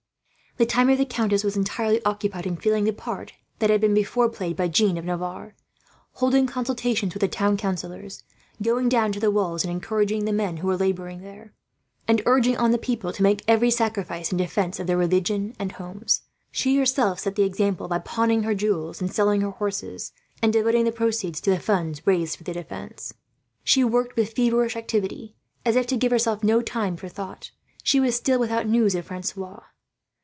The time of the countess was entirely occupied in filling the part that had, before, been played by Jeanne of Navarre: holding consultations with the town councillors, going down to the walls and encouraging the men who were labouring there, and urging on the people to make every sacrifice in defence of their religion and homes. She herself set the example, by pawning her jewels and selling her horses, and devoting the proceeds to the funds raised for the defence. She worked with feverish activity, as if to give herself no time for thought. She was still without news of Francois.